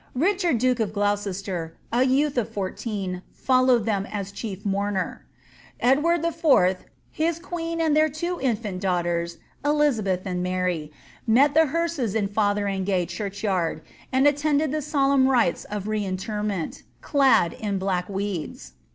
Richard duke of Gloucester, a youth of fourteen, followed them as chief mourner Edward IV^ his queen, and their two infimt daughters,^izabeth and Mary,' met the hearses in Fo> theringay churchyard, and attended the solemn rites of re interment, clad in black weeds.